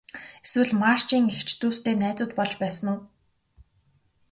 Эсвэл Марчийн эгч дүүстэй найзууд болж байсан уу?